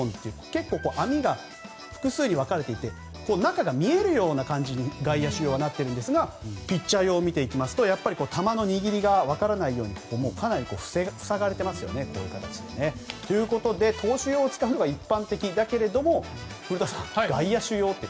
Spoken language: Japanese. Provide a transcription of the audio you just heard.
結構、網が複数に分かれていて中が見えるように外野手用はなっているんですがピッチャー用を見てみると球の握りが分からないようにかなり塞がれていますよね。ということで、投手用を使うのが一般的だけども、古田さん外野手用って